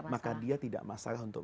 maka dia tidak masalah untuk